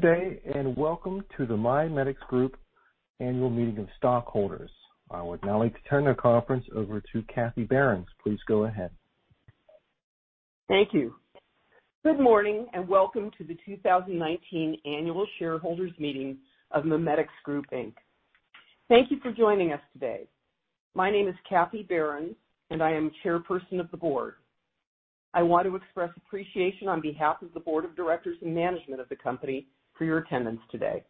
Good day. Welcome to the MiMedx Group Annual Meeting of Stockholders. I would now like to turn the conference over to Kathy Behrens. Please go ahead. Thank you. Good morning, welcome to the 2019 Annual Shareholders Meeting of MiMedx Group, Inc. Thank you for joining us today. My name is Kathy Behrens, and I am Chairperson of the Board. I want to express appreciation on behalf of the Board of Directors and management of the company for your attendance today.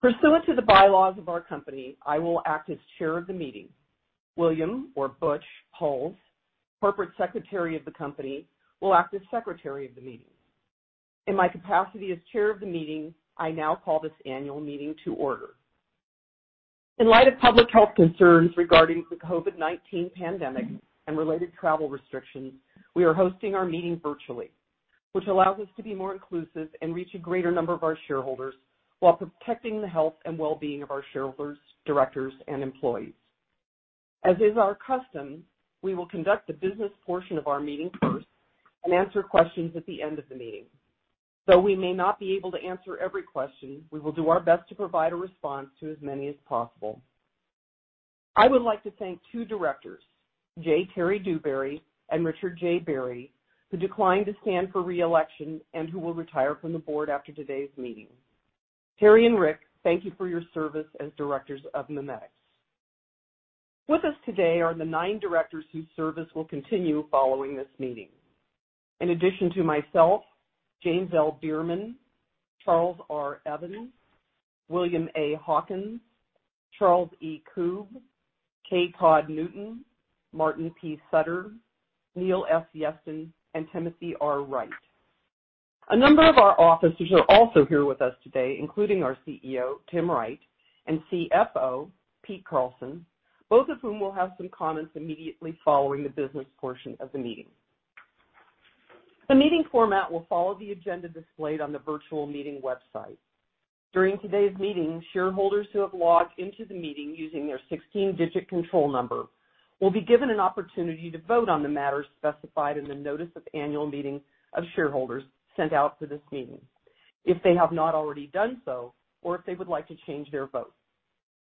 Pursuant to the bylaws of our company, I will act as Chair of the meeting. William or Butch Hulse, Corporate Secretary of the company, will act as Secretary of the meeting. In my capacity as Chair of the meeting, I now call this annual meeting to order. In light of public health concerns regarding the COVID-19 pandemic and related travel restrictions, we are hosting our meeting virtually, which allows us to be more inclusive and reach a greater number of our shareholders while protecting the health and wellbeing of our shareholders, directors, and employees. As is our custom, we will conduct the business portion of our meeting first and answer questions at the end of the meeting. Though we may not be able to answer every question, we will do our best to provide a response to as many as possible. I would like to thank two directors, J. Terry Dewberry and Richard J. Barry, who declined to stand for re-election and who will retire from the board after today's meeting. Terry and Rick, thank you for your service as directors of MiMedx. With us today are the nine directors whose service will continue following this meeting. In addition to myself, James L. Bierman, Charles R. Evans, William A. Hawkins, Charles E. Koob, K. Todd Newton, Martin P. Sutter, Neil S. Yeston, and Timothy R. Wright. A number of our officers are also here with us today, including our CEO, Tim Wright, and CFO, Pete Carlson, both of whom will have some comments immediately following the business portion of the meeting. The meeting format will follow the agenda displayed on the virtual meeting website. During today's meeting, shareholders who have logged into the meeting using their 16-digit control number will be given an opportunity to vote on the matters specified in the Notice of Annual Meeting of Shareholders sent out for this meeting if they have not already done so or if they would like to change their vote.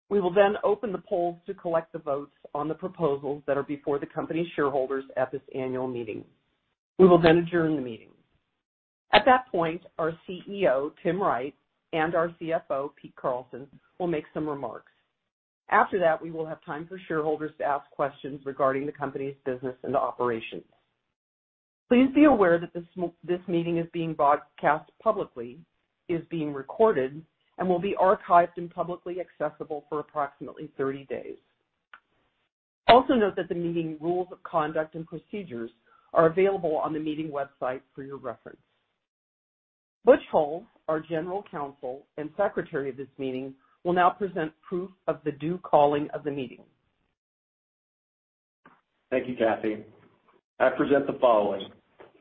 We will open the polls to collect the votes on the proposals that are before the company shareholders at this annual meeting. We will adjourn the meeting. At that point, our CEO, Tim Wright, and our CFO, Pete Carlson, will make some remarks. After that, we will have time for shareholders to ask questions regarding the company's business and operations. Please be aware that this meeting is being broadcast publicly, is being recorded, and will be archived and publicly accessible for approximately 30 days. Also note that the meeting rules of conduct and procedures are available on the meeting website for your reference. Butch Hulse, our General Counsel and Secretary of this meeting, will now present proof of the due calling of the meeting. Thank you, Kathy. I present the following.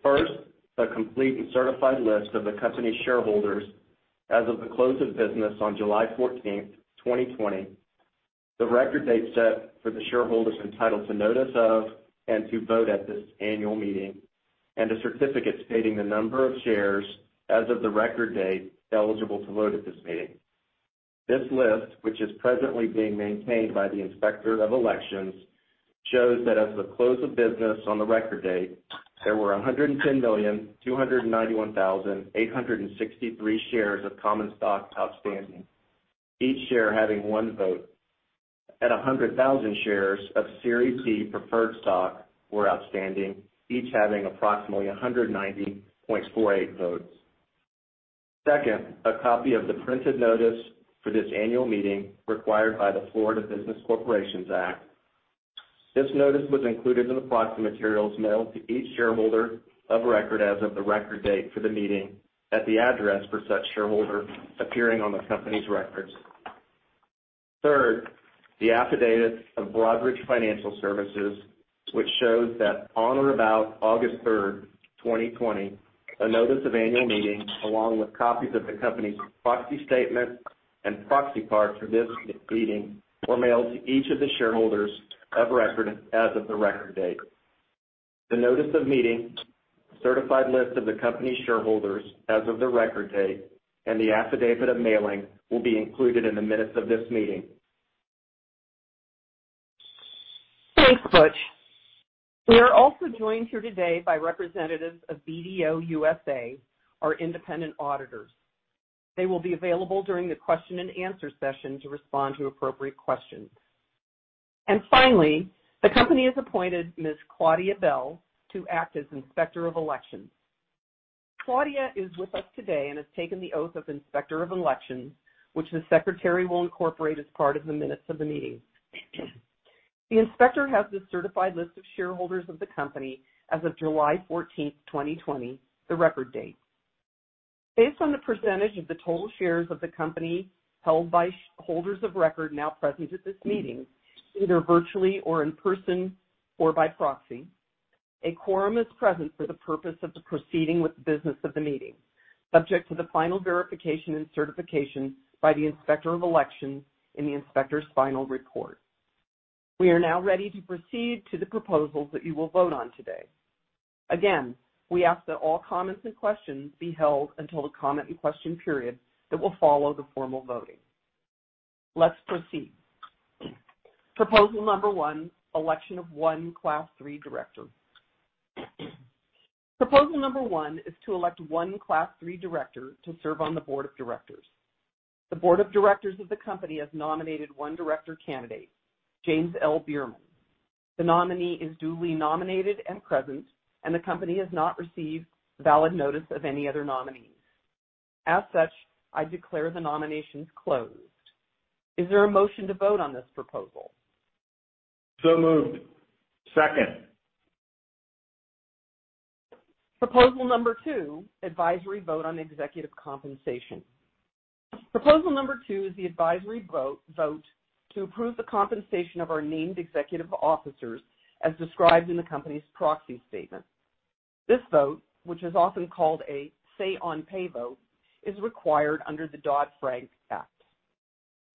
First, a complete and certified list of the company shareholders as of the close of business on July 14th, 2020, the record date set for the shareholders entitled to notice of and to vote at this annual meeting, and a certificate stating the number of shares as of the record date eligible to vote at this meeting. This list, which is presently being maintained by the Inspector of Elections, shows that as of the close of business on the record date, there were 110,291,863 shares of common stock outstanding, each share having one vote, and 100,000 shares of Series B preferred stock were outstanding, each having approximately 190.48 votes. Second, a copy of the printed notice for this annual meeting required by the Florida Business Corporation Act. This notice was included in the proxy materials mailed to each shareholder of record as of the record date for the meeting at the address for such shareholder appearing on the company's records. Third, the affidavit of Broadridge Financial Solutions, which shows that on or about August 3rd, 2020, a notice of annual meeting, along with copies of the company's proxy statement and proxy cards for this meeting, were mailed to each of the shareholders of record as of the record date. The notice of meeting, certified list of the company shareholders as of the record date, and the affidavit of mailing will be included in the minutes of this meeting. Thanks, Butch. We are also joined here today by representatives of BDO USA, our independent auditors. They will be available during the question and answer session to respond to appropriate questions. Finally, the company has appointed Ms. Claudia Bell to act as Inspector of Elections. Claudia is with us today and has taken the oath of Inspector of Elections, which the secretary will incorporate as part of the minutes of the meeting. The Inspector has the certified list of shareholders of the company as of July 14th, 2020, the record date. Based on the percentage of the total shares of the company held by holders of record now present at this meeting, either virtually or in person or by proxy, a quorum is present for the purpose of the proceeding with the business of the meeting, subject to the final verification and certification by the Inspector of Elections in the inspector's final report. We are now ready to proceed to the proposals that you will vote on today. Again, we ask that all comments and questions be held until the comment and question period that will follow the formal voting. Let's proceed. Proposal number one, election of one Class III director. Proposal number one is to elect one Class III director to serve on the board of directors. The board of directors of the company has nominated one director candidate, James L. Bierman. The nominee is duly nominated and present, and the company has not received valid notice of any other nominees. As such, I declare the nominations closed. Is there a motion to vote on this proposal? Moved. Second. Proposal number two, advisory vote on executive compensation. Proposal number two is the advisory vote to approve the compensation of our named executive officers as described in the company's proxy statement. This vote, which is often called a say on pay vote, is required under the Dodd-Frank Act.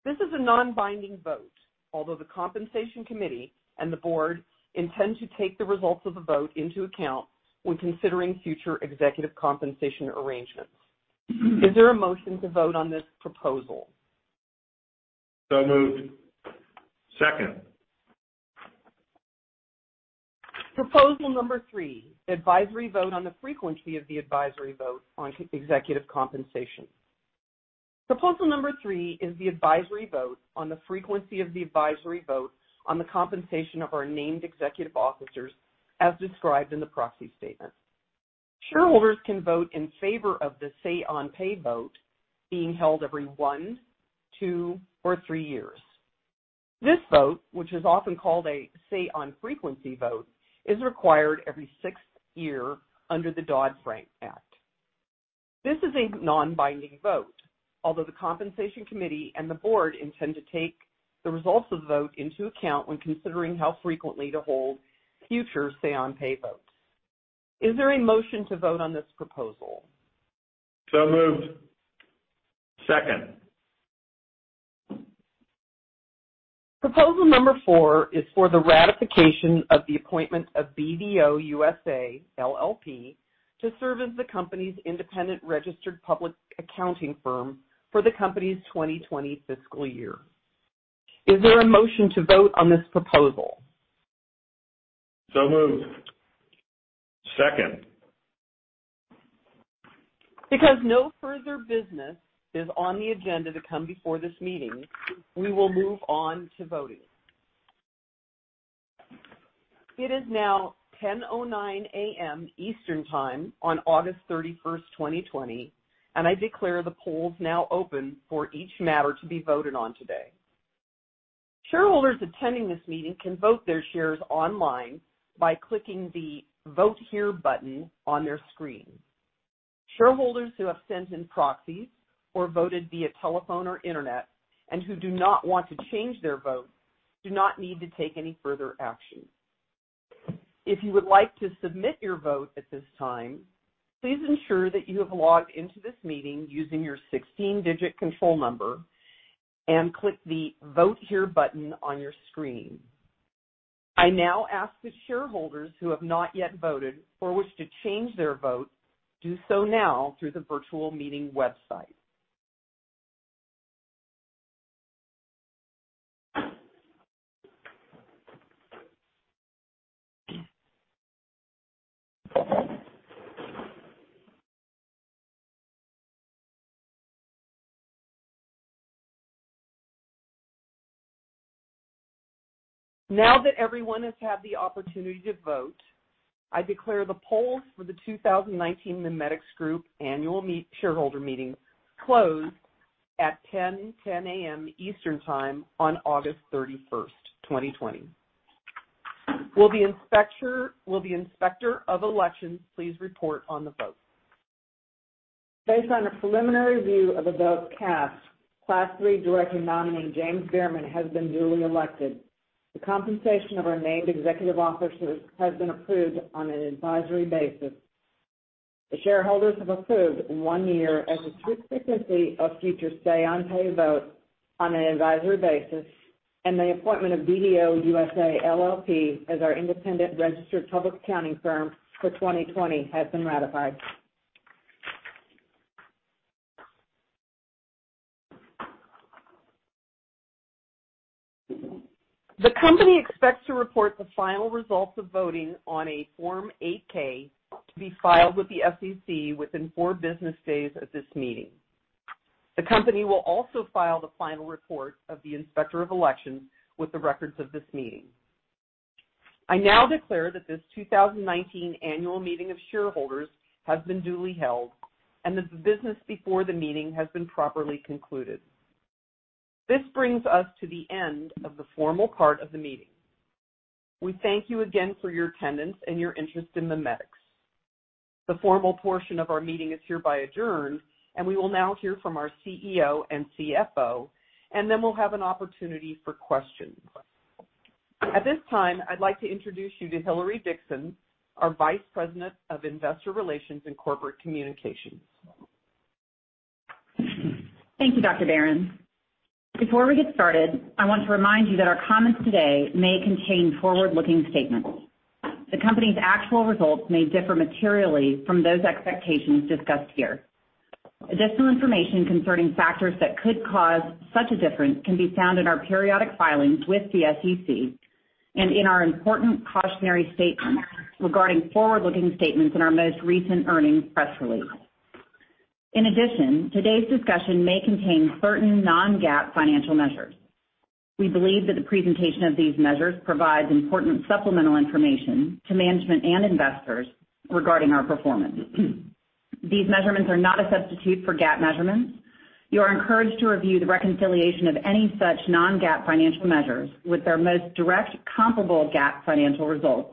This is a non-binding vote, although the compensation committee and the board intend to take the results of the vote into account when considering future executive compensation arrangements. Is there a motion to vote on this proposal? Moved. Second. Proposal number three, advisory vote on the frequency of the advisory vote on executive compensation. Proposal number three is the advisory vote on the frequency of the advisory vote on the compensation of our named executive officers as described in the proxy statement. Shareholders can vote in favor of the say on pay vote being held every one, two, or three years. This vote, which is often called a say on frequency vote, is required every sixth year under the Dodd-Frank Act. This is a non-binding vote, although the compensation committee and the board intend to take the results of the vote into account when considering how frequently to hold future say on pay votes. Is there a motion to vote on this proposal? Moved. Second. Proposal number four is for the ratification of the appointment of BDO USA, LLP to serve as the company's independent registered public accounting firm for the company's 2020 fiscal year. Is there a motion to vote on this proposal? Moved. Second. No further business is on the agenda to come before this meeting, we will move on to voting. It is now 10:09 A.M. Eastern Time on August 31st, 2020. I declare the polls now open for each matter to be voted on today. Shareholders attending this meeting can vote their shares online by clicking the Vote Here button on their screen. Shareholders who have sent in proxies or voted via telephone or internet and who do not want to change their vote do not need to take any further action. If you would like to submit your vote at this time, please ensure that you have logged into this meeting using your 16-digit control number. Click the Vote Here button on your screen. I now ask that shareholders who have not yet voted or wish to change their vote do so now through the virtual meeting website. Now that everyone has had the opportunity to vote, I declare the polls for the 2019 MiMedx Group annual shareholder meeting closed at 10:10 A.M. Eastern Time on August 31st, 2020. Will the Inspector of Elections please report on the vote? Based on a preliminary view of the votes cast, Class III director nominee, James Bierman, has been duly elected. The compensation of our named executive officers has been approved on an advisory basis. The shareholders have approved one year as the frequency of future say on pay votes on an advisory basis, and the appointment of BDO USA, LLP as our independent registered public accounting firm for 2020 has been ratified. The company expects to report the final results of voting on a Form 8-K to be filed with the SEC within four business days of this meeting. The company will also file the final report of the Inspector of Elections with the records of this meeting. I now declare that this 2019 annual meeting of shareholders has been duly held and that the business before the meeting has been properly concluded. This brings us to the end of the formal part of the meeting. We thank you again for your attendance and your interest in MiMedx. The formal portion of our meeting is hereby adjourned, and we will now hear from our CEO and CFO, and then we'll have an opportunity for questions. At this time, I'd like to introduce you to Hilary Dixon, our Vice President of Investor Relations and Corporate Communications. Thank you, Dr. Behrens. Before we get started, I want to remind you that our comments today may contain forward-looking statements. The company's actual results may differ materially from those expectations discussed here. Additional information concerning factors that could cause such a difference can be found in our periodic filings with the SEC and in our important cautionary statement regarding forward-looking statements in our most recent earnings press release. In addition, today's discussion may contain certain non-GAAP financial measures. We believe that the presentation of these measures provides important supplemental information to management and investors regarding our performance. These measurements are not a substitute for GAAP measurements. You are encouraged to review the reconciliation of any such non-GAAP financial measures with their most direct comparable GAAP financial results,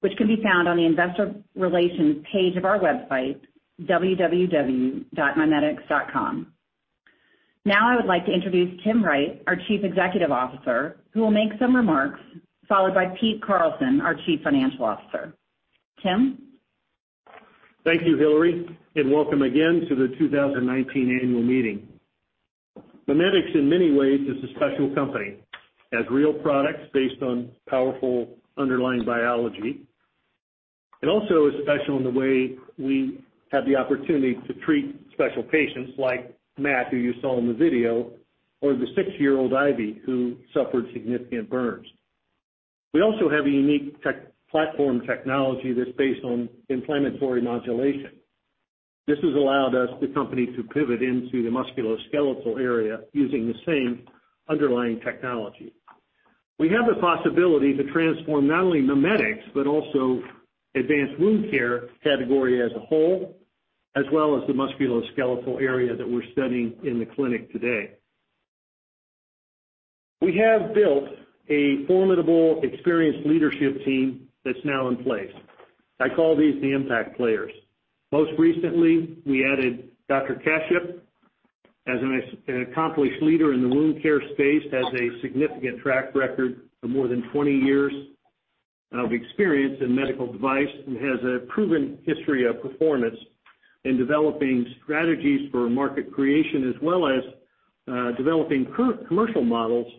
which can be found on the investor relations page of our website, www.mimedx.com. Now I would like to introduce Tim Wright, our Chief Executive Officer, who will make some remarks, followed by Pete Carlson, our Chief Financial Officer. Tim? Thank you, Hilary, and welcome again to the 2019 annual meeting. MiMedx, in many ways is a special company. It has real products based on powerful underlying biology. It also is special in the way we have the opportunity to treat special patients like Matt, who you saw in the video, or the six-year-old, Ivy, who suffered significant burns. We also have a unique platform technology that's based on inflammatory modulation. This has allowed us, the company, to pivot into the musculoskeletal area using the same underlying technology. We have the possibility to transform not only MiMedx, but also advanced wound care category as a whole, as well as the musculoskeletal area that we're studying in the clinic today. We have built a formidable, experienced leadership team that's now in place. I call these the impact players. Most recently, we added Dr. Kashyap, as an accomplished leader in the wound care space, has a significant track record of more than 20 years of experience in medical device and has a proven history of performance in developing strategies for market creation, as well as developing commercial models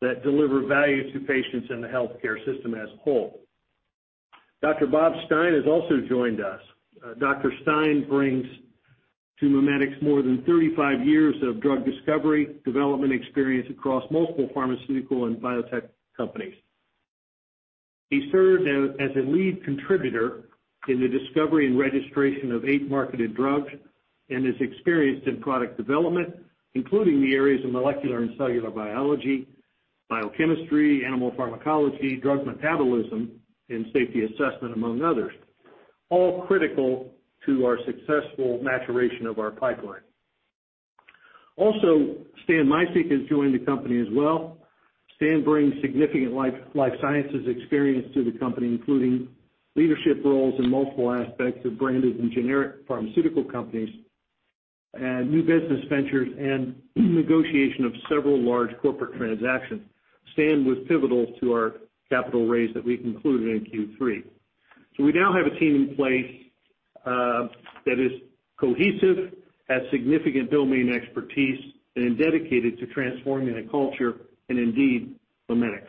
that deliver value to patients in the healthcare system as a whole. Dr. Bob Stein has also joined us. Dr. Stein brings to MiMedx more than 35 years of drug discovery, development experience across multiple pharmaceutical and biotech companies. He served as a lead contributor in the discovery and registration of eight marketed drugs and is experienced in product development, including the areas of molecular and cellular biology, biochemistry, animal pharmacology, drug metabolism, and safety assessment, among others, all critical to our successful maturation of our pipeline. Also, Stan Micek has joined the company as well. Stan brings significant life sciences experience to the company, including leadership roles in multiple aspects of branded and generic pharmaceutical companies and new business ventures and negotiation of several large corporate transactions. Stan was pivotal to our capital raise that we concluded in Q3. We now have a team in place that is cohesive, has significant domain expertise, and dedicated to transforming the culture and indeed MiMedx.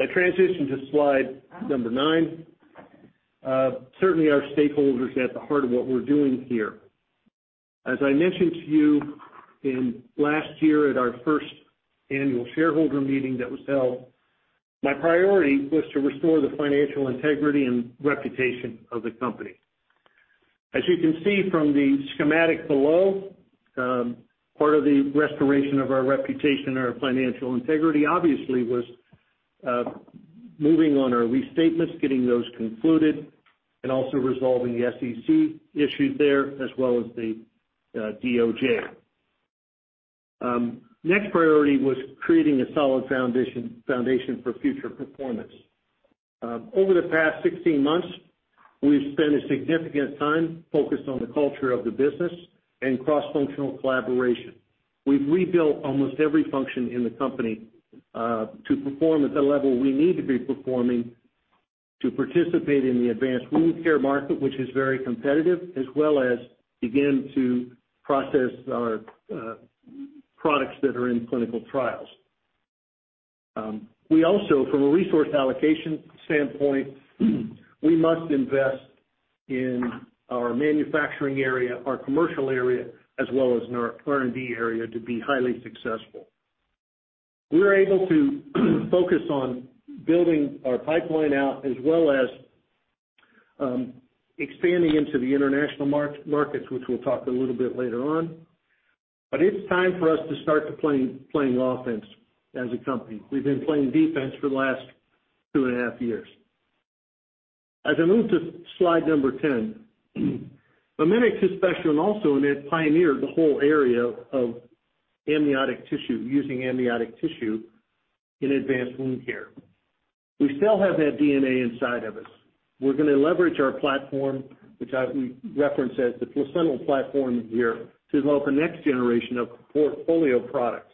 I transition to slide number nine. Certainly, our stakeholders are at the heart of what we're doing here. As I mentioned to you last year at our first annual shareholder meeting that was held, my priority was to restore the financial integrity and reputation of the company. As you can see from the schematic below, part of the restoration of our reputation and our financial integrity obviously was moving on our restatements, getting those concluded, and also resolving the SEC issues there, as well as the DOJ. Next priority was creating a solid foundation for future performance. Over the past 16 months, we've spent a significant time focused on the culture of the business and cross-functional collaboration. We've rebuilt almost every function in the company to perform at the level we need to be performing to participate in the advanced wound care market, which is very competitive, as well as begin to process our products that are in clinical trials. We also, from a resource allocation standpoint, we must invest in our manufacturing area, our commercial area, as well as in our R&D area to be highly successful. We were able to focus on building our pipeline out as well as expanding into the international markets, which we'll talk a little bit later on. It's time for us to start playing offense as a company. We've been playing defense for the last two and a half years. As I move to slide number 10, MiMedx is special, and also it pioneered the whole area of amniotic tissue, using amniotic tissue in advanced wound care. We still have that DNA inside of us. We're going to leverage our platform, which we reference as the placental platform here, to develop a next generation of portfolio products.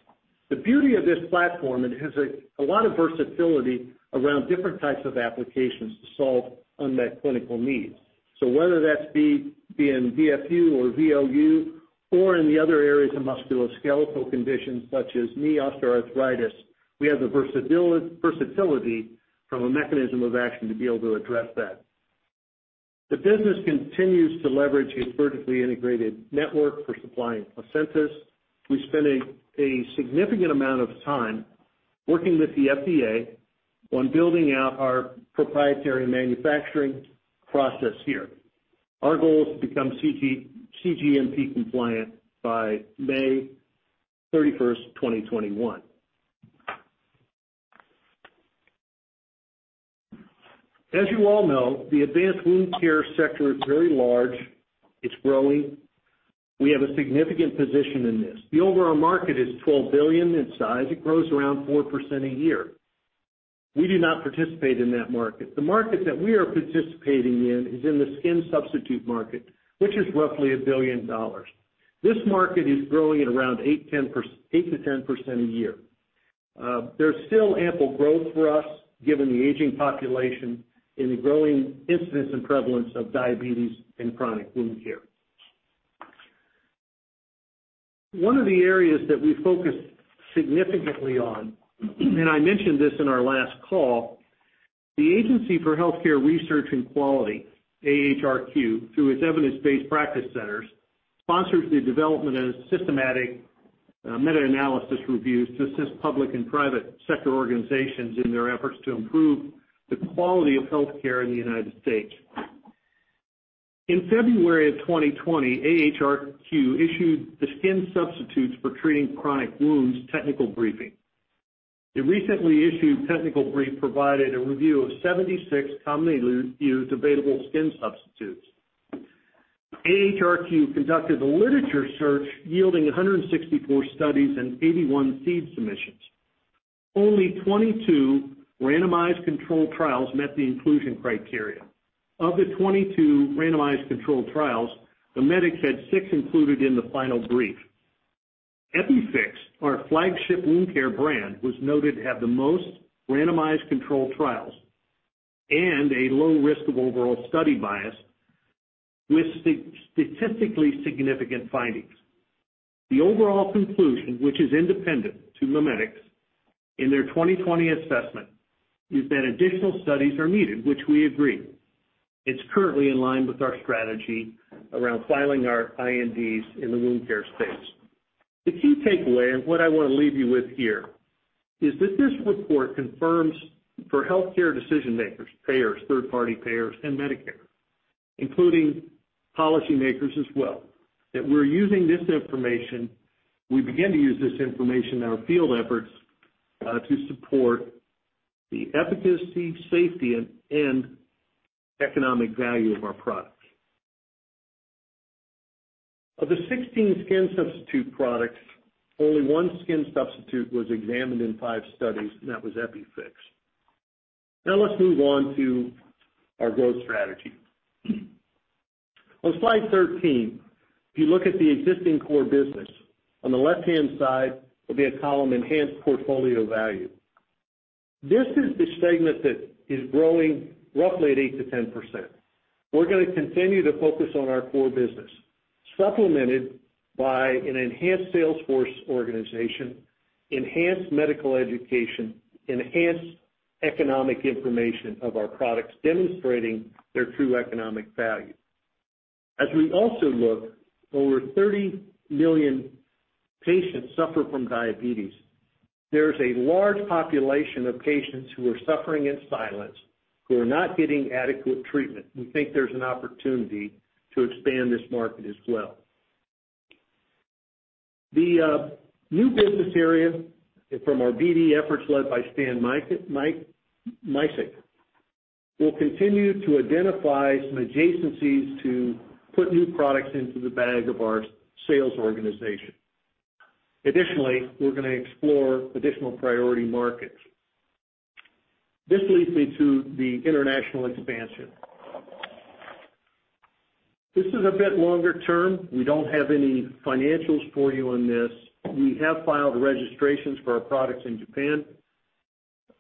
The beauty of this platform, it has a lot of versatility around different types of applications to solve unmet clinical needs. Whether that's be in DFU or VLU, or in the other areas of musculoskeletal conditions such as knee osteoarthritis, we have the versatility from a mechanism of action to be able to address that. The business continues to leverage a vertically integrated network for supplying placenta. We spend a significant amount of time working with the FDA on building out our proprietary manufacturing process here. Our goal is to become cGMP compliant by May 31st, 2021. As you all know, the advanced wound care sector is very large. It's growing. We have a significant position in this. The overall market is $12 billion in size. It grows around 4% a year. We do not participate in that market. The market that we are participating in is in the skin substitute market, which is roughly $1 billion. This market is growing at around 8%-10% a year. There's still ample growth for us, given the aging population and the growing incidence and prevalence of diabetes and chronic wound care. One of the areas that we focused significantly on, and I mentioned this in our last call, the Agency for Healthcare Research and Quality, AHRQ, through its evidence-based practice centers, sponsors the development of systematic meta-analysis reviews to assist public and private sector organizations in their efforts to improve the quality of healthcare in the United States. In February of 2020, AHRQ issued the Skin Substitutes for Treating Chronic Wounds Technical Briefing. The recently issued Technical Brief provided a review of 76 commonly used available skin substitutes. AHRQ conducted a literature search yielding 164 studies and 81 seed submissions. Only 22 randomized control trials met the inclusion criteria. Of the 22 randomized control trials, MiMedx had six included in the final Brief. EPIFIX, our flagship wound care brand, was noted to have the most randomized control trials and a low risk of overall study bias with statistically significant findings. The overall conclusion, which is independent to MiMedx in their 2020 assessment, is that additional studies are needed, which we agree. It's currently in line with our strategy around filing our INDs in the wound care space. The key takeaway, and what I want to leave you with here, is that this report confirms for healthcare decision makers, payers, third-party payers, and Medicare, including policy makers as well, that we're using this information. We began to use this information in our field efforts to support the efficacy, safety, and economic value of our products. Of the 16 skin substitute products, only one skin substitute was examined in five studies, and that was EPIFIX. Now let's move on to our growth strategy. On slide 13, if you look at the existing core business, on the left-hand side will be a column, enhanced portfolio value. This is the segment that is growing roughly at 8%-10%. We're going to continue to focus on our core business, supplemented by an enhanced sales force organization, enhanced medical education, enhanced economic information of our products, demonstrating their true economic value. As we also look, over 30 million patients suffer from diabetes. There's a large population of patients who are suffering in silence, who are not getting adequate treatment. We think there's an opportunity to expand this market as well. The new business area from our BD efforts led by Stan Micek will continue to identify some adjacencies to put new products into the bag of our sales organization. Additionally, we're going to explore additional priority markets. This leads me to the international expansion. This is a bit longer term. We don't have any financials for you on this. We have filed registrations for our products in Japan.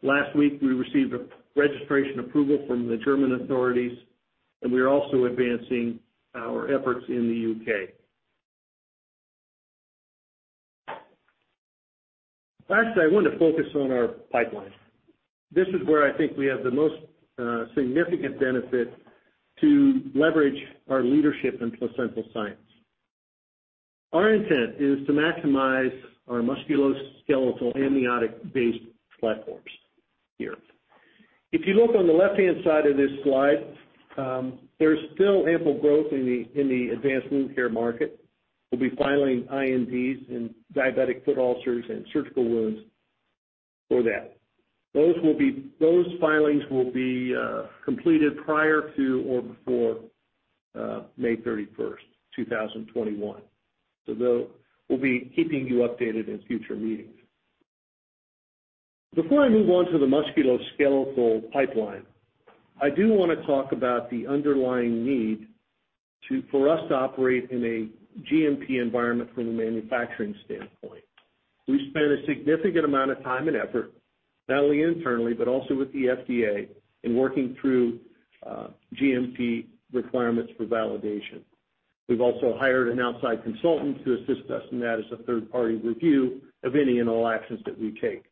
Last week, we received a registration approval from the German authorities, and we are also advancing our efforts in the U.K. Lastly, I want to focus on our pipeline. This is where I think we have the most significant benefit to leverage our leadership in placental science. Our intent is to maximize our musculoskeletal amniotic-based platforms here. If you look on the left-hand side of this slide, there's still ample growth in the advanced wound care market. We'll be filing INDs in diabetic foot ulcers and surgical wounds for that. Those filings will be completed prior to or before May 31st, 2021. We'll be keeping you updated in future meetings. Before I move on to the musculoskeletal pipeline, I do want to talk about the underlying need for us to operate in a GMP environment from a manufacturing standpoint. We've spent a significant amount of time and effort, not only internally, but also with the FDA in working through GMP requirements for validation. We've also hired an outside consultant to assist us in that as a third-party review of any and all actions that we take.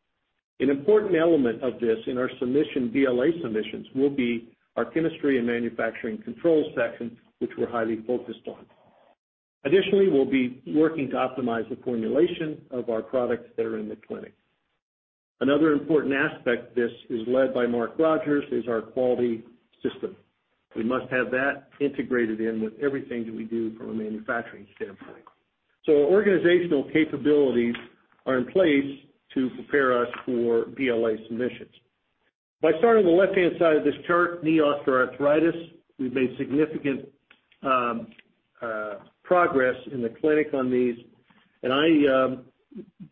An important element of this in our BLA submissions will be our chemistry and manufacturing control section, which we're highly focused on. Additionally, we'll be working to optimize the formulation of our products that are in the clinic. Another important aspect this is led by Mark Rogers is our quality system. We must have that integrated in with everything that we do from a manufacturing standpoint. Our organizational capabilities are in place to prepare us for BLA submissions. By starting on the left-hand side of this chart, knee osteoarthritis, we've made significant progress in the clinic on these.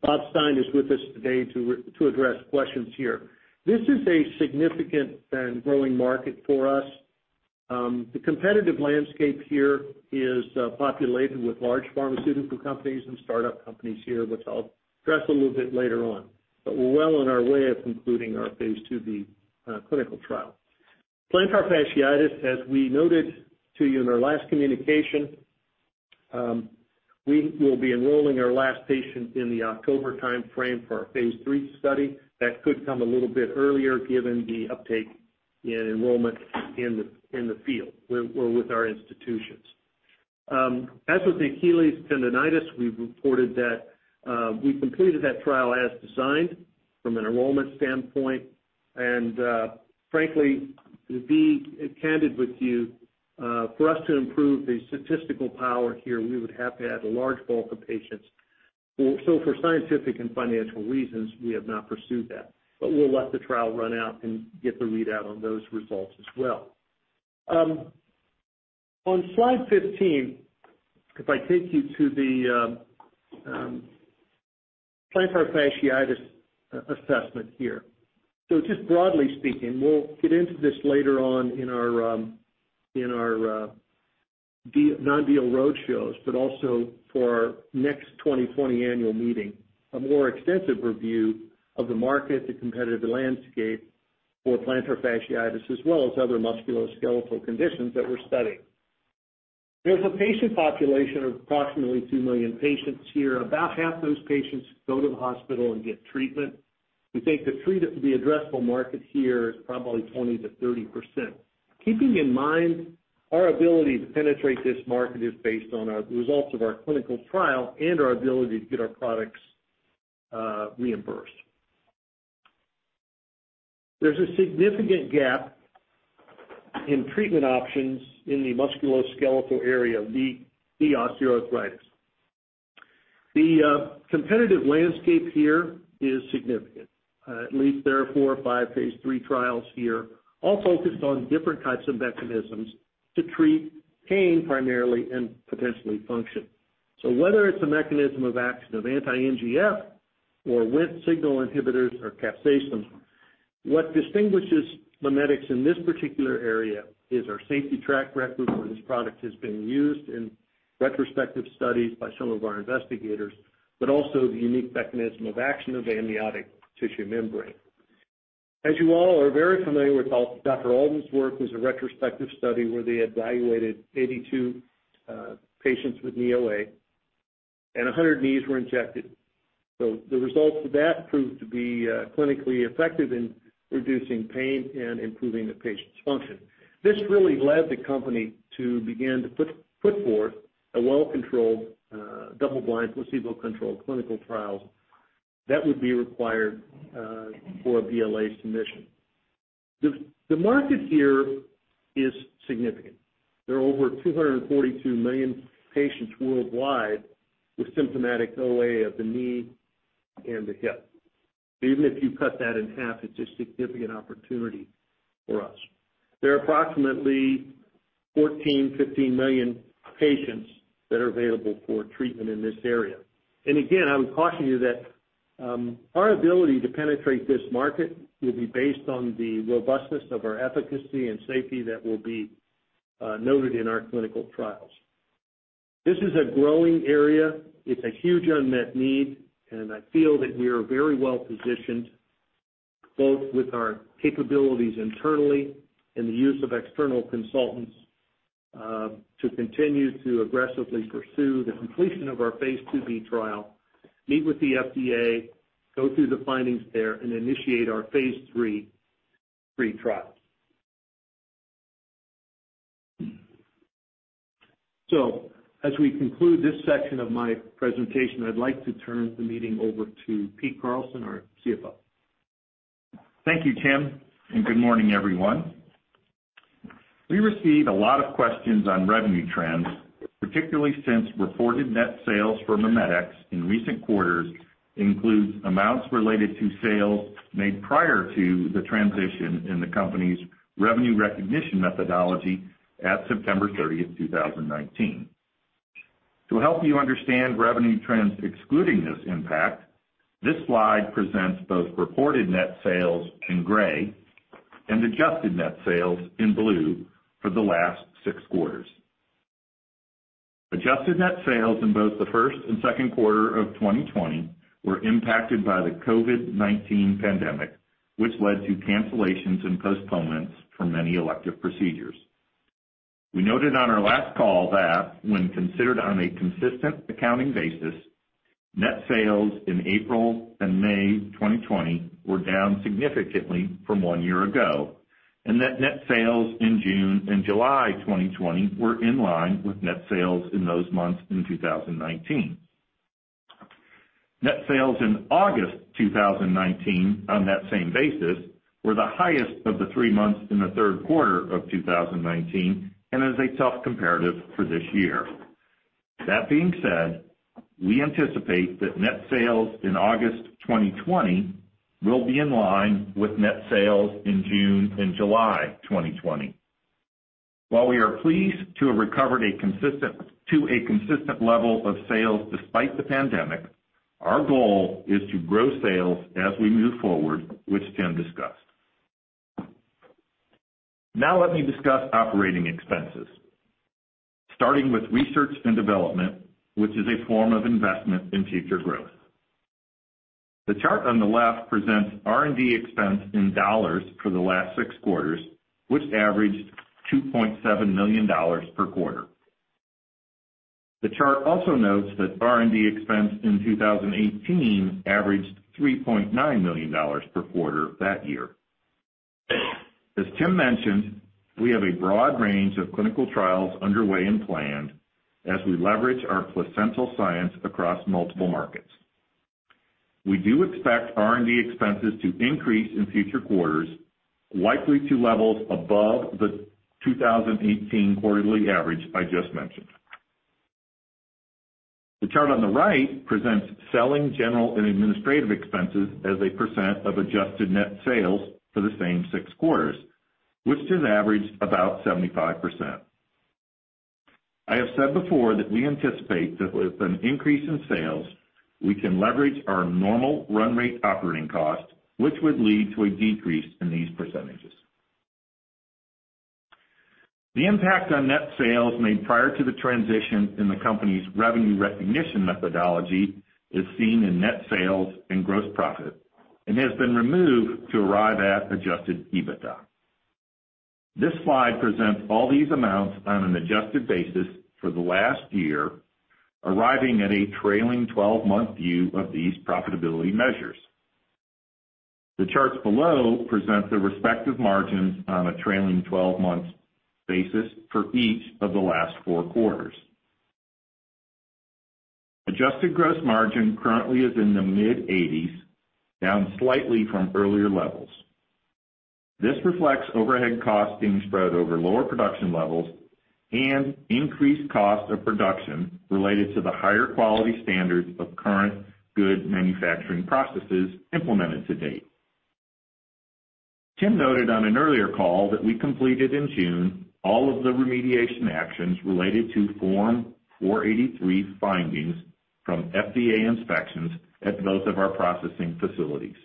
Bob Stein is with us today to address questions here. This is a significant and growing market for us. The competitive landscape here is populated with large pharmaceutical companies and startup companies here, which I'll address a little bit later on. We're well on our way of concluding our phase II-B clinical trial. Plantar fasciitis, as we noted to you in our last communication, we will be enrolling our last patient in the October timeframe for our phase III study. That could come a little bit earlier given the uptake in enrollment in the field with our institutions. As with the Achilles tendonitis, we've reported that we completed that trial as designed from an enrollment standpoint. Frankly, to be candid with you, for us to improve the statistical power here, we would have to have a large bulk of patients. For scientific and financial reasons, we have not pursued that. We'll let the trial run out and get the readout on those results as well. On slide 15, if I take you to the plantar fasciitis assessment here. Just broadly speaking, we'll get into this later on in our non-deal roadshows, but also for our next 2020 annual meeting, a more extensive review of the market, the competitive landscape for plantar fasciitis, as well as other musculoskeletal conditions that we're studying. There's a patient population of approximately 2 million patients here. About half those patients go to the hospital and get treatment. We think the addressable market here is probably 20%-30%. Keeping in mind our ability to penetrate this market is based on our results of our clinical trial and our ability to get our products reimbursed. There's a significant gap in treatment options in the musculoskeletal area of knee osteoarthritis. The competitive landscape here is significant. At least there are four or five phase III trials here, all focused on different types of mechanisms to treat pain primarily and potentially function. Whether it's a mechanism of action of anti-NGF or Wnt signal inhibitors or caspases, what distinguishes MiMedx in this particular area is our safety track record where this product has been used in retrospective studies by some of our investigators, but also the unique mechanism of action of amniotic tissue membrane. As you all are very familiar with Dr. Alden's work was a retrospective study where they evaluated 82 patients with knee OA, and 100 knees were injected. The results of that proved to be clinically effective in reducing pain and improving the patient's function. This really led the company to begin to put forth a well-controlled, double-blind, placebo-controlled clinical trial that would be required for a BLA submission. The market here is significant. There are over 242 million patients worldwide with symptomatic OA of the knee and the hip. Even if you cut that in half, it's a significant opportunity for us. There are approximately 14, 15 million patients that are available for treatment in this area. Again, I would caution you that our ability to penetrate this market will be based on the robustness of our efficacy and safety that will be noted in our clinical trials. This is a growing area. It's a huge unmet need, and I feel that we are very well positioned, both with our capabilities internally and the use of external consultants, to continue to aggressively pursue the completion of our phase II-B trial, meet with the FDA, go through the findings there, and initiate our phase III trial. As we conclude this section of my presentation, I'd like to turn the meeting over to Pete Carlson, our CFO. Thank you, Tim. Good morning, everyone. We receive a lot of questions on revenue trends, particularly since reported net sales for MiMedx in recent quarters includes amounts related to sales made prior to the transition in the company's revenue recognition methodology at September 30th, 2019. To help you understand revenue trends excluding this impact, this slide presents both reported net sales in gray and adjusted net sales in blue for the last six quarters. Adjusted net sales in both the first and second quarter of 2020 were impacted by the COVID-19 pandemic, which led to cancellations and postponements for many elective procedures. We noted on our last call that when considered on a consistent accounting basis, net sales in April and May 2020 were down significantly from one year ago, and that net sales in June and July 2020 were in line with net sales in those months in 2019. Net sales in August 2019, on that same basis, were the highest of the three months in the third quarter of 2019 and is a tough comparative for this year. That being said, we anticipate that net sales in August 2020 will be in line with net sales in June and July 2020. While we are pleased to have recovered to a consistent level of sales despite the pandemic, our goal is to grow sales as we move forward, which Tim discussed. Now let me discuss operating expenses, starting with research and development, which is a form of investment in future growth. The chart on the left presents R&D expense in dollars for the last six quarters, which averaged $2.7 million per quarter. The chart also notes that R&D expense in 2018 averaged $3.9 million per quarter that year. As Tim mentioned, we have a broad range of clinical trials underway and planned as we leverage our placental science across multiple markets. We do expect R&D expenses to increase in future quarters, likely to levels above the 2018 quarterly average I just mentioned. The chart on the right presents selling general and administrative expenses as a percent of adjusted net sales for the same six quarters, which has averaged about 75%. I have said before that we anticipate that with an increase in sales, we can leverage our normal run rate operating cost, which would lead to a decrease in these percentages. The impact on net sales made prior to the transition in the company's revenue recognition methodology is seen in net sales and gross profit and has been removed to arrive at adjusted EBITDA. This slide presents all these amounts on an adjusted basis for the last year, arriving at a trailing 12-month view of these profitability measures. The charts below present the respective margins on a trailing 12-month basis for each of the last four quarters. Adjusted gross margin currently is in the mid-80s, down slightly from earlier levels. This reflects overhead costs being spread over lower production levels and increased cost of production related to the higher quality standards of Current Good Manufacturing Processes implemented to date. Tim noted on an earlier call that we completed in June all of the remediation actions related to Form 483 findings from FDA inspections at both of our processing facilities.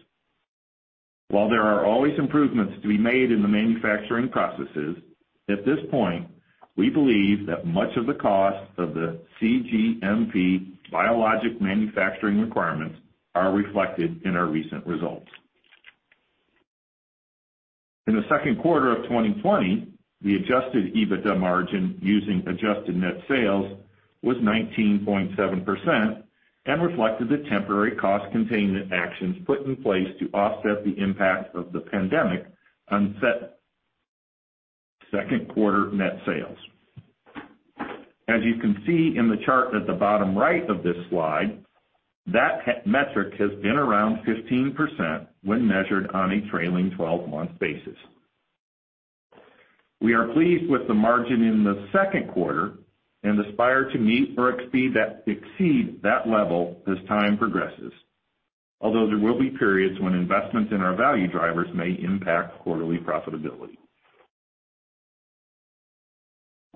While there are always improvements to be made in the manufacturing processes, at this point, we believe that much of the cost of the cGMP biologic manufacturing requirements are reflected in our recent results. In the second quarter of 2020, the adjusted EBITDA margin using adjusted net sales was 19.7% and reflected the temporary cost containment actions put in place to offset the impact of the pandemic on second quarter net sales. As you can see in the chart at the bottom right of this slide, that metric has been around 15% when measured on a trailing 12-month basis. We are pleased with the margin in the second quarter and aspire to meet or exceed that level as time progresses. There will be periods when investments in our value drivers may impact quarterly profitability.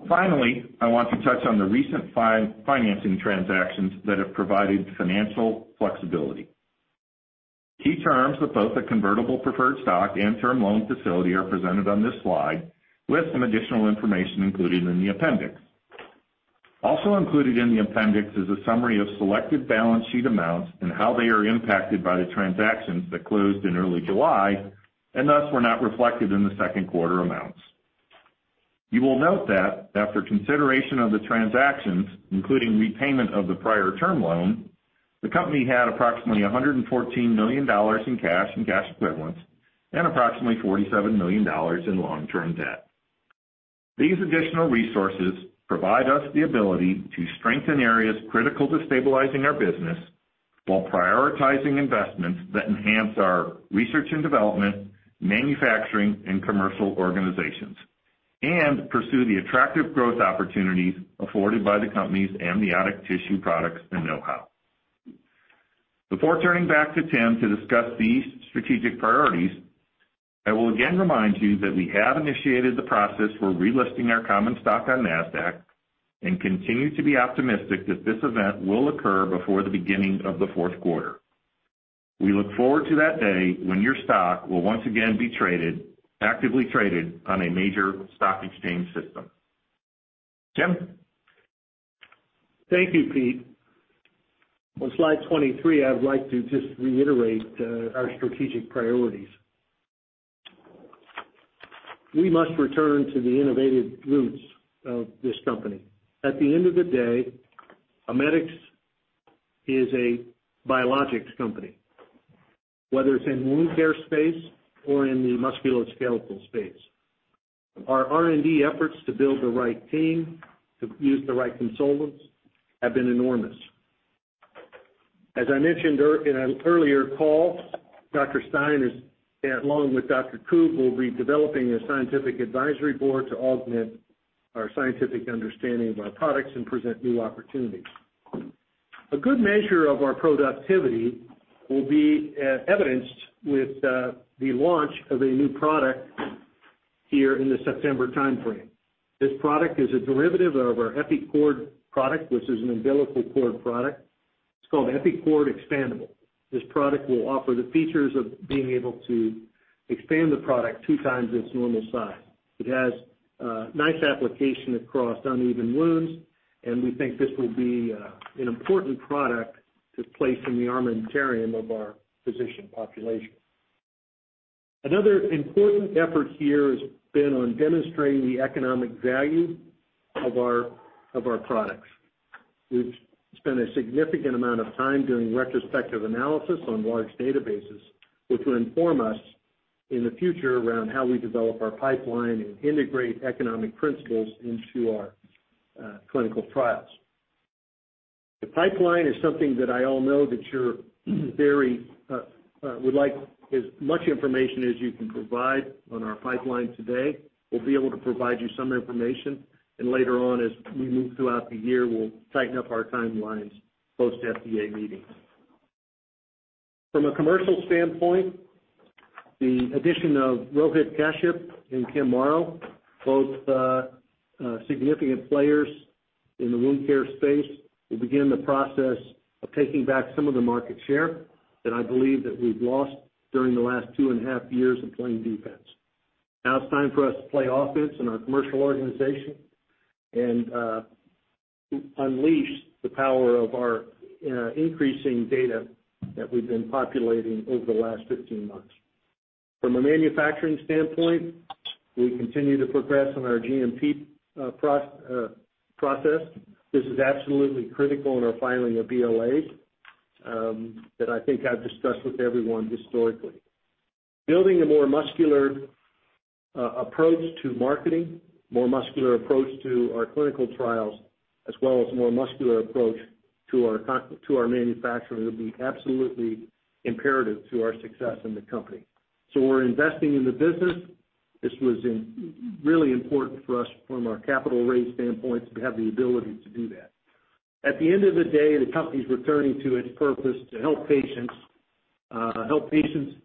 I want to touch on the recent financing transactions that have provided financial flexibility. Key terms of both the convertible preferred stock and term loan facility are presented on this slide, with some additional information included in the appendix. Also included in the appendix is a summary of selected balance sheet amounts and how they are impacted by the transactions that closed in early July, and thus were not reflected in the second quarter amounts. You will note that after consideration of the transactions, including repayment of the prior term loan, the company had approximately $114 million in cash and cash equivalents and approximately $47 million in long-term debt. These additional resources provide us the ability to strengthen areas critical to stabilizing our business while prioritizing investments that enhance our research and development, manufacturing, and commercial organizations, and pursue the attractive growth opportunities afforded by the company's amniotic tissue products and know-how. Before turning back to Tim to discuss these strategic priorities, I will again remind you that we have initiated the process for relisting our common stock on Nasdaq and continue to be optimistic that this event will occur before the beginning of the fourth quarter. We look forward to that day when your stock will once again be actively traded on a major stock exchange system. Tim? Thank you, Pete. On slide 23, I'd like to just reiterate our strategic priorities. We must return to the innovative roots of this company. At the end of the day, MiMedx is a biologics company, whether it's in wound care space or in the musculoskeletal space. Our R&D efforts to build the right team, to use the right consultants, have been enormous. As I mentioned in an earlier call, Dr. Stein, along with Thomas Koob, will be developing a scientific advisory board to augment our scientific understanding of our products and present new opportunities. A good measure of our productivity will be evidenced with the launch of a new product here in the September timeframe. This product is a derivative of our EpiCord product, which is an umbilical cord product. It's called EpiCord Expandable. This product will offer the features of being able to expand the product two times its normal size. It has a nice application across uneven wounds, and we think this will be an important product to place in the armamentarium of our physician population. Another important effort here has been on demonstrating the economic value of our products. We've spent a significant amount of time doing retrospective analysis on large databases, which will inform us in the future around how we develop our pipeline and integrate economic principles into our clinical trials. The pipeline is something that I all know that you would like as much information as you can provide on our pipeline today. We'll be able to provide you some information, and later on, as we move throughout the year, we'll tighten up our timelines, post FDA meetings. From a commercial standpoint, the addition of Rohit Kashyap and Kim Morrow, both significant players in the wound care space, will begin the process of taking back some of the market share that I believe that we've lost during the last two and a half years of playing defense. It's time for us to play offense in our commercial organization and unleash the power of our increasing data that we've been populating over the last 15 months. From a manufacturing standpoint, we continue to progress on our GMP process. This is absolutely critical in our filing of BLAs that I think I've discussed with everyone historically. Building a more muscular approach to marketing, more muscular approach to our clinical trials, as well as a more muscular approach to our manufacturing will be absolutely imperative to our success in the company. We're investing in the business. This was really important for us from our capital raise standpoint, to have the ability to do that. At the end of the day, the company's returning to its purpose to help patients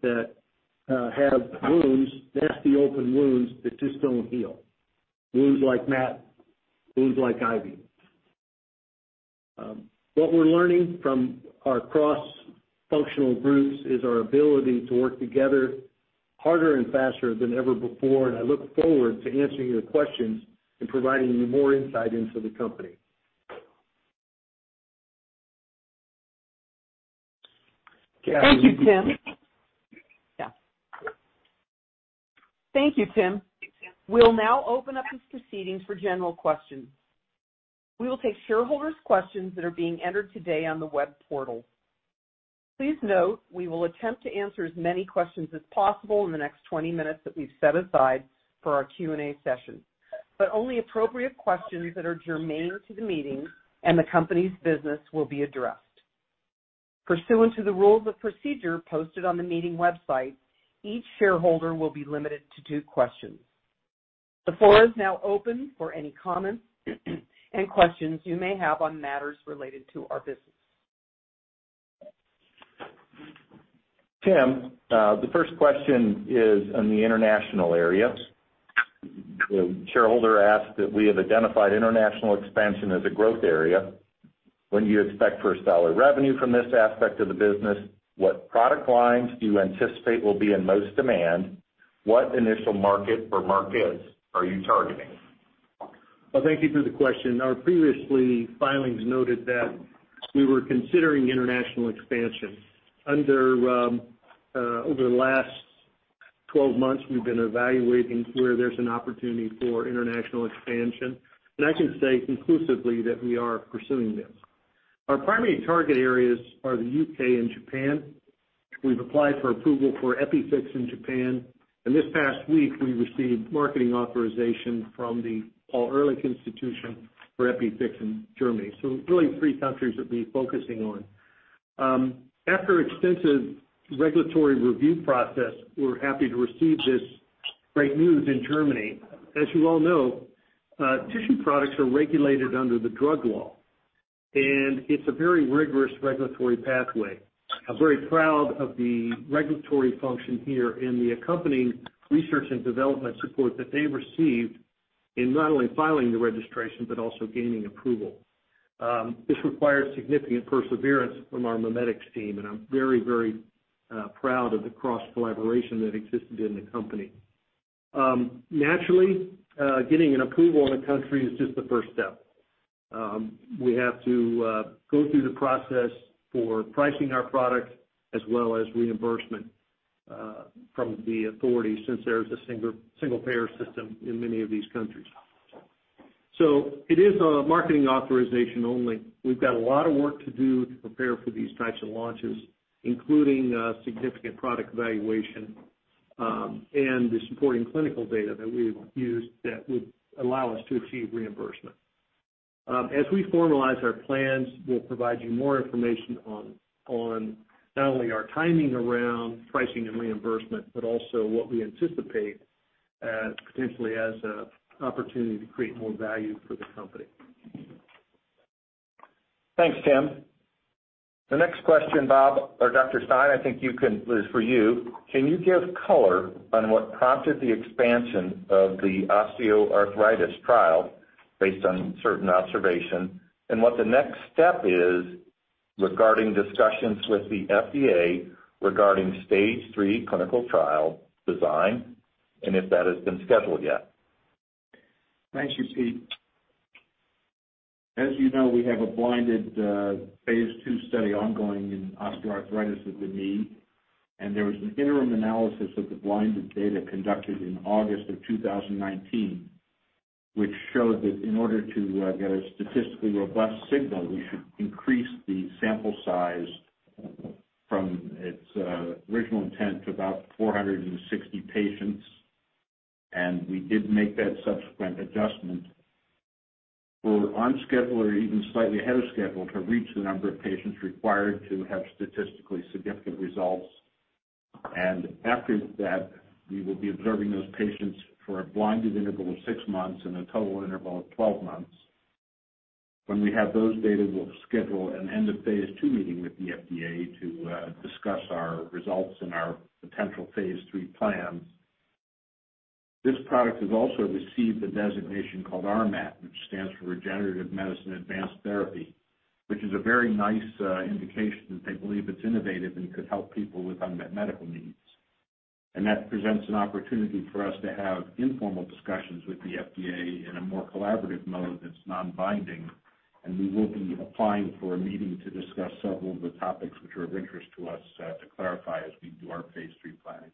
that have nasty, open wounds that just don't heal. Wounds like Matt, wounds like Ivy. What we're learning from our cross-functional groups is our ability to work together harder and faster than ever before, and I look forward to answering your questions and providing you more insight into the company. Thank you, Tim. We'll now open up the proceedings for general questions. We will take shareholders' questions that are being entered today on the web portal. Please note, we will attempt to answer as many questions as possible in the next 20 minutes that we've set aside for our Q&A session. Only appropriate questions that are germane to the meeting and the company's business will be addressed. Pursuant to the rules of procedure posted on the meeting website, each shareholder will be limited to two questions. The floor is now open for any comments and questions you may have on matters related to our business. Tim, the first question is on the international area. The shareholder asked that we have identified international expansion as a growth area. When do you expect first dollar revenue from this aspect of the business? What product lines do you anticipate will be in most demand? What initial market or markets are you targeting? Thank you for the question. Our previous filings noted that we were considering international expansion. Over the last 12 months, we've been evaluating where there's an opportunity for international expansion, and I can say conclusively that we are pursuing this. Our primary target areas are the U.K. and Japan. We've applied for approval for EPIFIX in Japan, and this past week, we received marketing authorization from the Paul-Ehrlich-Institut for EPIFIX in Germany. Really three countries that we're focusing on. After extensive regulatory review process, we were happy to receive this great news in Germany. As you all know, tissue products are regulated under the drug law, and it's a very rigorous regulatory pathway. I'm very proud of the regulatory function here and the accompanying research and development support that they received in not only filing the registration but also gaining approval. This requires significant perseverance from our MiMedx team, and I'm very proud of the cross-collaboration that existed in the company. Naturally getting an approval in a country is just the first step. We have to go through the process for pricing our product as well as reimbursement from the authority since there's a single-payer system in many of these countries. It is a marketing authorization only. We've got a lot of work to do to prepare for these types of launches, including significant product evaluation, and the supporting clinical data that we have used that would allow us to achieve reimbursement. As we formalize our plans, we'll provide you more information on not only our timing around pricing and reimbursement, but also what we anticipate potentially as an opportunity to create more value for the company. Thanks, Tim. The next question, Bob or Dr. Stein, I think is for you. Can you give color on what prompted the expansion of the osteoarthritis trial based on certain observation, and what the next step is regarding discussions with the FDA regarding phase III clinical trial design, and if that has been scheduled yet? Thank you, Pete. As you know, we have a blinded phase II study ongoing in osteoarthritis of the knee, and there was an interim analysis of the blinded data conducted in August of 2019, which showed that in order to get a statistically robust signal, we should increase the sample size from its original intent to about 460 patients, and we did make that subsequent adjustment. We're on schedule or even slightly ahead of schedule to reach the number of patients required to have statistically significant results. After that, we will be observing those patients for a blinded interval of six months and a total interval of 12 months. When we have those data, we'll schedule an end of phase II meeting with the FDA to discuss our results and our potential phase III plans. This product has also received a designation called RMAT, which stands for Regenerative Medicine Advanced Therapy, which is a very nice indication that they believe it's innovative and could help people with unmet medical needs. That presents an opportunity for us to have informal discussions with the FDA in a more collaborative mode that's non-binding, and we will be applying for a meeting to discuss several of the topics which are of interest to us to clarify as we do our phase III planning.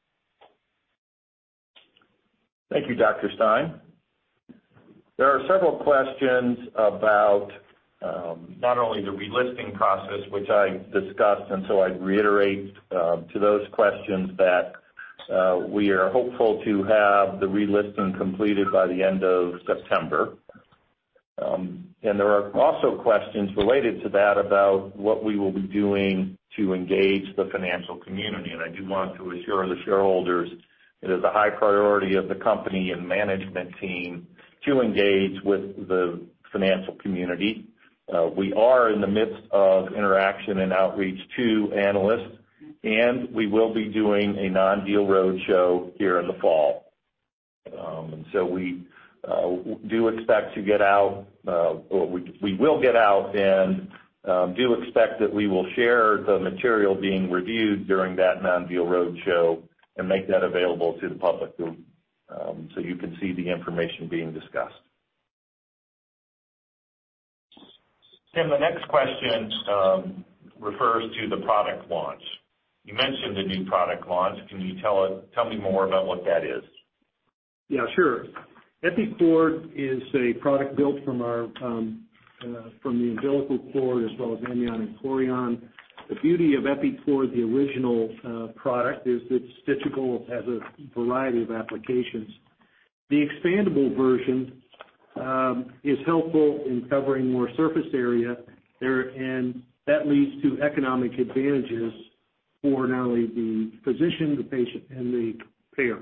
Thank you, Dr. Stein. There are several questions about not only the relisting process, which I discussed. I'd reiterate to those questions that we are hopeful to have the relisting completed by the end of September. There are also questions related to that about what we will be doing to engage the financial community. I do want to assure the shareholders it is a high priority of the company and management team to engage with the financial community. We are in the midst of interaction and outreach to analysts, and we will be doing a non-deal roadshow here in the fall. We do expect to get out or we will get out, and do expect that we will share the material being reviewed during that non-deal roadshow and make that available to the public so you can see the information being discussed. Tim, the next question refers to the product launch. You mentioned the new product launch. Can you tell me more about what that is? Yeah, sure. EpiCord is a product built from the umbilical cord as well as amnion and chorion. The beauty of EpiCord, the original product, is that it's stitchable. It has a variety of applications. The expandable version is helpful in covering more surface area, and that leads to economic advantages for not only the physician, the patient, and the payer.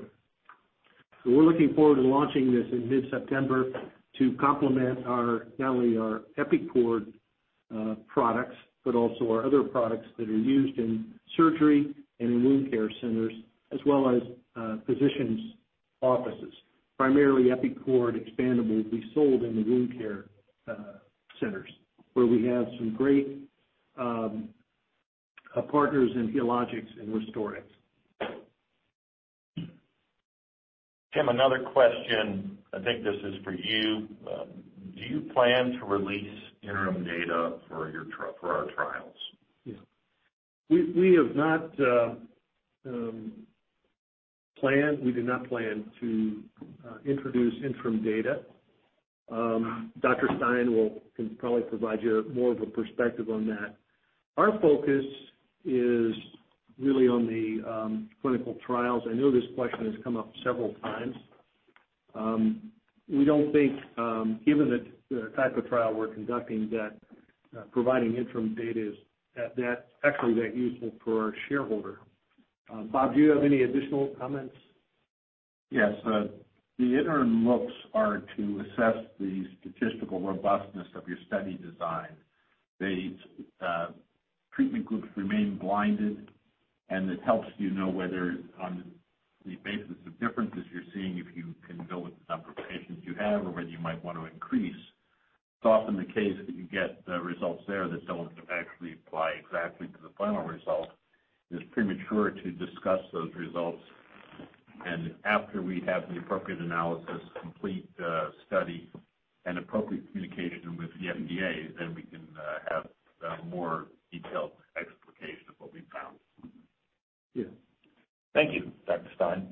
We're looking forward to launching this in mid-September to complement not only our EpiCord products, but also our other products that are used in surgery and in wound care centers, as well as physicians' offices. Primarily, EpiCord Expandable will be sold in the wound care centers, where we have some great partners in Healogics and RestorixHealth. Tim, another question. I think this is for you. Do you plan to release interim data for our trials? Yes. We do not plan to introduce interim data. Dr. Stein can probably provide you more of a perspective on that. Our focus is really on the clinical trials. I know this question has come up several times. We don't think, given the type of trial we're conducting, that providing interim data is actually that useful for our shareholder. Bob, do you have any additional comments? Yes. The interim looks are to assess the statistical robustness of your study design. The treatment groups remain blinded. It helps you know whether on the basis of differences you're seeing, if you can go with the number of patients you have or whether you might want to increase. It's often the case that you get the results there that don't actually apply exactly to the final result. It's premature to discuss those results. After we have the appropriate analysis, complete study, and appropriate communication with the FDA, then we can have a more detailed explication of what we've found. Yes. Thank you, Dr. Stein.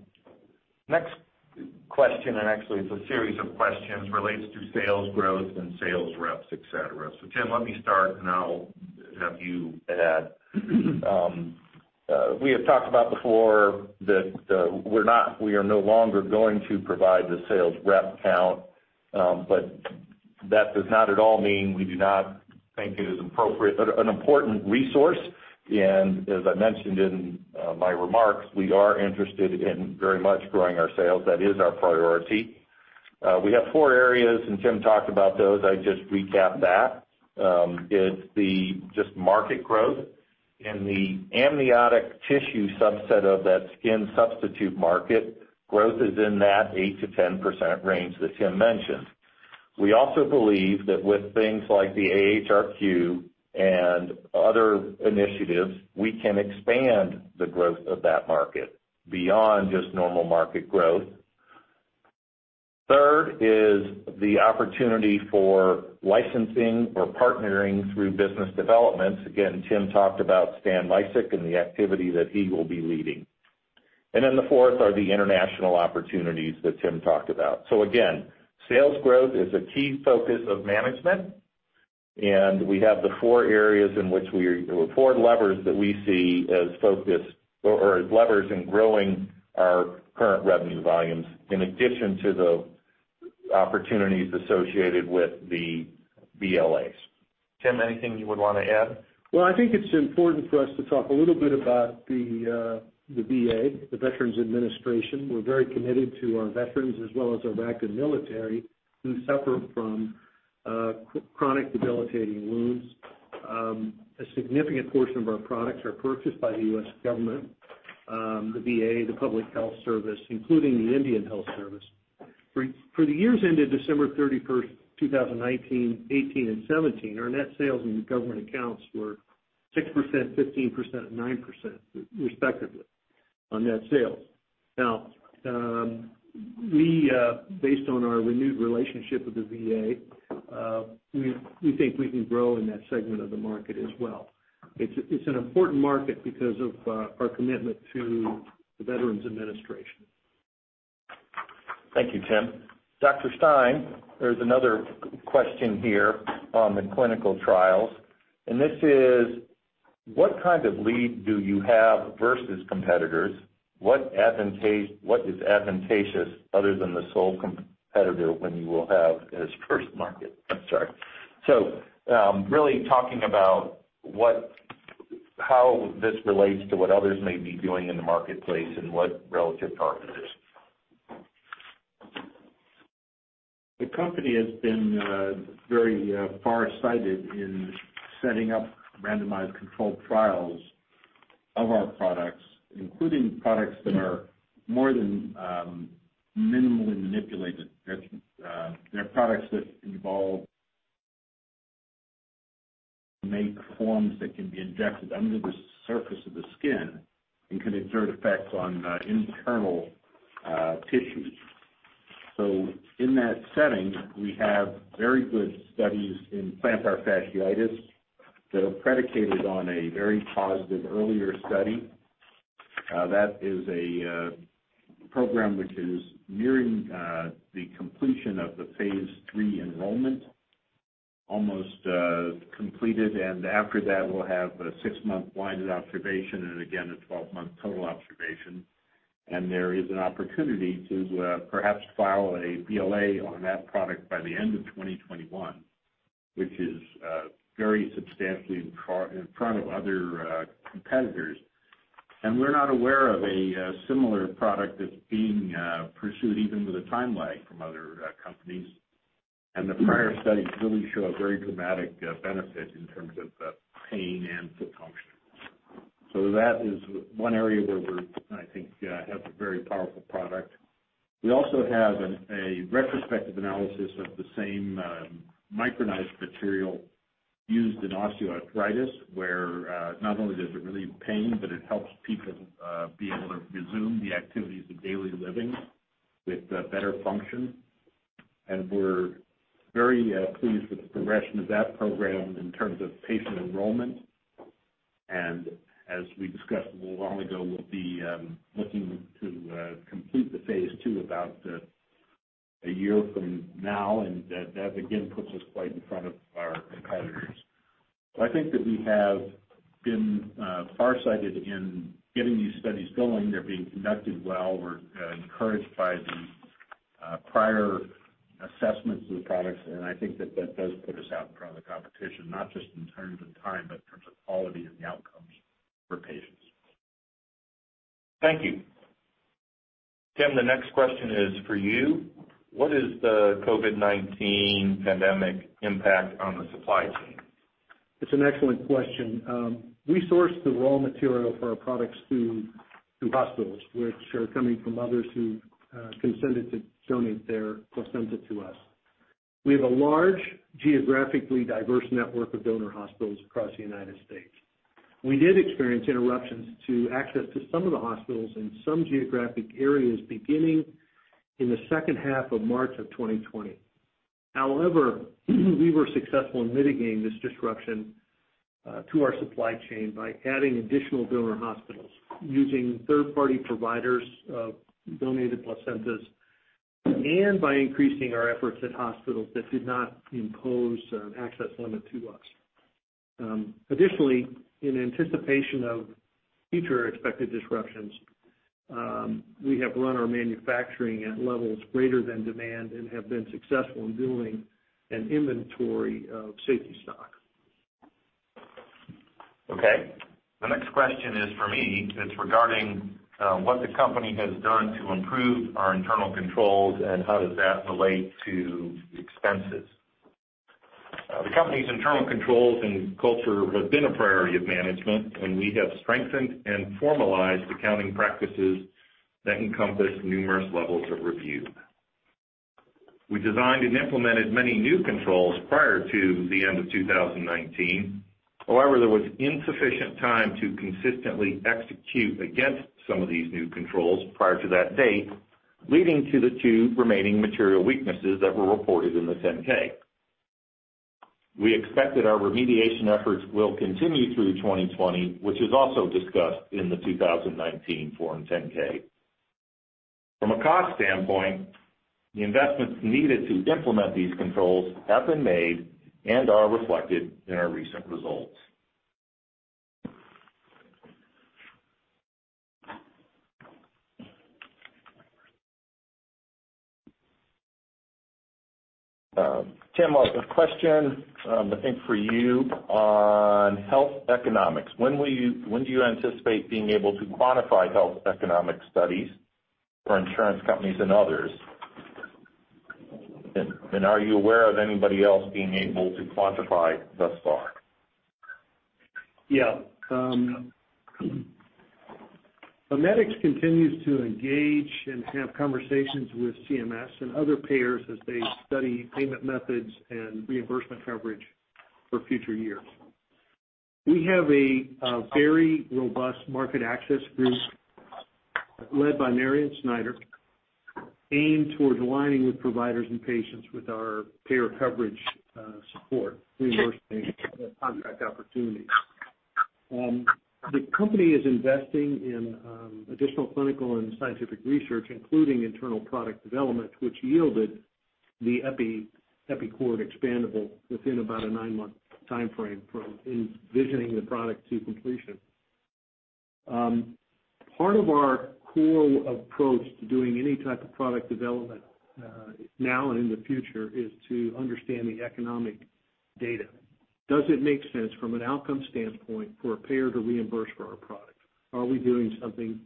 Next question, actually it's a series of questions, relates to sales growth and sales reps, etc. Tim, let me start, and I'll have you add. We have talked about before that we are no longer going to provide the sales rep count. That does not at all mean we do not think it is appropriate, but an important resource. As I mentioned in my remarks, we are interested in very much growing our sales. That is our priority. We have four areas, and Tim talked about those. I just recapped that. It's the just market growth. In the amniotic tissue subset of that skin substitute market, growth is in that 8%-10% range that Tim mentioned. We also believe that with things like the AHRQ and other initiatives, we can expand the growth of that market beyond just normal market growth. Third is the opportunity for licensing or partnering through business developments. Again, Tim talked about Stan Micek and the activity that he will be leading. The fourth are the international opportunities that Tim talked about. Again, sales growth is a key focus of management, and we have the four areas in which we-- or four levers that we see as focus or as levers in growing our current revenue volumes, in addition to the opportunities associated with the BLAs. Tim, anything you would want to add? Well, I think it's important for us to talk a little bit about the VA, the Veterans Administration. We're very committed to our veterans, as well as our active military who suffer from chronic debilitating wounds. A significant portion of our products are purchased by the U.S. government, the VA, the Public Health Service, including the Indian Health Service. For the years ended December 31st, 2019, 2018, and 2017, our net sales in government accounts were 6%, 15%, 9%, respectively on net sales. Now, based on our renewed relationship with the VA, we think we can grow in that segment of the market as well. It's an important market because of our commitment to the Veterans Administration. Thank you, Tim. Dr. Stein, there's another question here on the clinical trials, and this is, what kind of lead do you have versus competitors? What is advantageous other than the sole competitor when you will have as first market? I'm sorry. Really talking about how this relates to what others may be doing in the marketplace and what relative partners is. The company has been very far-sighted in setting up randomized controlled trials of our products, including products that are more than minimally manipulated. They're products that involve make forms that can be injected under the surface of the skin and can exert effects on internal tissues. In that setting, we have very good studies in plantar fasciitis that are predicated on a very positive earlier study. That is a program which is nearing the completion of the phase III enrollment, almost completed, and after that, we'll have a six-month blinded observation, and again, a 12-month total observation. There is an opportunity to perhaps file a BLA on that product by the end of 2021, which is very substantially in front of other competitors. We're not aware of a similar product that's being pursued, even with a time lag from other companies. The prior studies really show a very dramatic benefit in terms of pain and foot function. That is one area where we're, I think, have a very powerful product. We also have a retrospective analysis of the same micronized material used in osteoarthritis, where not only does it relieve pain, but it helps people be able to resume the activities of daily living with better function. We're very pleased with the progression of that program in terms of patient enrollment. As we discussed a little while ago, we'll be looking to complete the phase II about a year from now, and that again puts us quite in front of our competitors. I think that we have been farsighted in getting these studies going. They're being conducted well. We're encouraged by the prior assessments of the products, and I think that does put us out in front of the competition, not just in terms of time, but in terms of quality and the outcomes for patients. Thank you. Tim, the next question is for you. What is the COVID-19 pandemic impact on the supply chain? It's an excellent question. We source the raw material for our products through hospitals, which are coming from others who consented to donate their placenta to us. We have a large, geographically diverse network of donor hospitals across the United States. We did experience interruptions to access to some of the hospitals in some geographic areas beginning in the second half of March of 2020. However, we were successful in mitigating this disruption to our supply chain by adding additional donor hospitals, using third-party providers of donated placentas, and by increasing our efforts at hospitals that did not impose an access limit to us. Additionally, in anticipation of future expected disruptions, we have run our manufacturing at levels greater than demand and have been successful in building an inventory of safety stock. Okay. The next question is for me. It's regarding what the company has done to improve our internal controls, and how does that relate to expenses? The company's internal controls and culture have been a priority of management, and we have strengthened and formalized accounting practices that encompass numerous levels of review. We designed and implemented many new controls prior to the end of 2019. However, there was insufficient time to consistently execute against some of these new controls prior to that date, leading to the two remaining material weaknesses that were reported in the 10-K. We expect that our remediation efforts will continue through 2020, which is also discussed in the 2019 Form 10-K. From a cost standpoint, the investments needed to implement these controls have been made and are reflected in our recent results. Tim, a question I think for you on health economics. When do you anticipate being able to quantify health economic studies for insurance companies and others? Are you aware of anybody else being able to quantify thus far? Yeah. MiMedx continues to engage and have conversations with CMS and other payers as they study payment methods and reimbursement coverage for future years. We have a very robust market access group led by Marion Snyder aimed towards aligning with providers and patients with our payer coverage support, reimbursement contract opportunities. The company is investing in additional clinical and scientific research, including internal product development, which yielded the EpiCord Expandable within about a nine-month timeframe from envisioning the product to completion. Part of our core approach to doing any type of product development, now and in the future, is to understand the economic data. Does it make sense from an outcome standpoint for a payer to reimburse for our product? Are we doing something?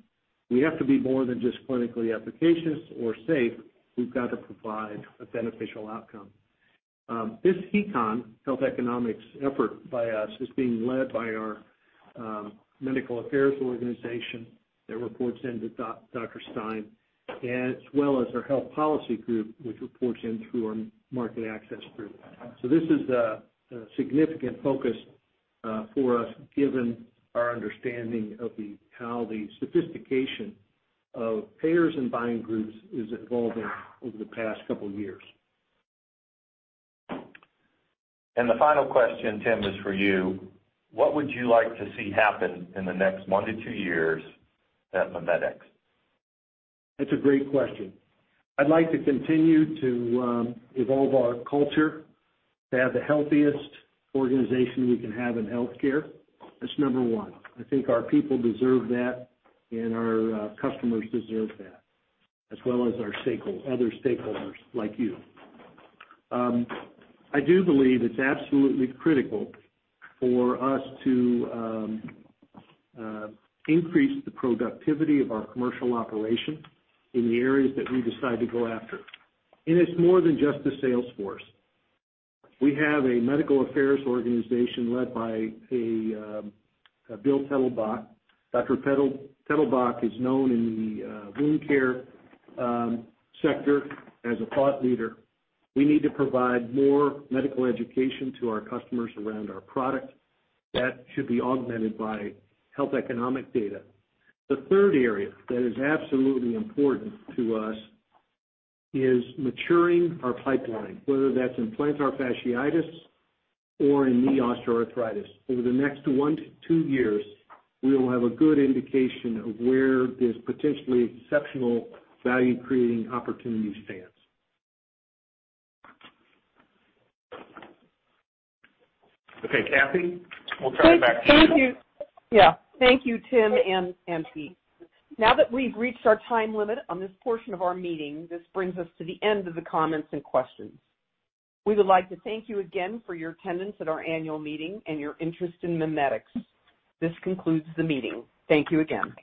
We have to be more than just clinically efficacious or safe. We've got to provide a beneficial outcome. This econ, health economics effort by us is being led by our medical affairs organization that reports into Dr. Stein, as well as our health policy group, which reports in through our market access group. This is a significant focus for us given our understanding of how the sophistication of payers and buying groups is evolving over the past couple of years. The final question, Tim, is for you. What would you like to see happen in the next one to two years at MiMedx? That's a great question. I'd like to continue to evolve our culture to have the healthiest organization we can have in healthcare. That's number one. I think our people deserve that and our customers deserve that, as well as our other stakeholders like you. I do believe it's absolutely critical for us to increase the productivity of our commercial operations in the areas that we decide to go after. It's more than just the sales force. We have a medical affairs organization led by Bill Tettelbach. Dr. Tettelbach is known in the wound care sector as a thought leader. We need to provide more medical education to our customers around our product that should be augmented by health economic data. The third area that is absolutely important to us is maturing our pipeline, whether that's in plantar fasciitis or in knee osteoarthritis. Over the next one to two years, we will have a good indication of where this potentially exceptional value-creating opportunity stands. Okay, Kathy, we'll turn it back to you. Yeah. Thank you, Tim and Pete. Now that we've reached our time limit on this portion of our meeting, this brings us to the end of the comments and questions. We would like to thank you again for your attendance at our annual meeting and your interest in MiMedx. This concludes the meeting. Thank you again.